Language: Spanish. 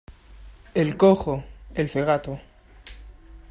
el cojo, el cegato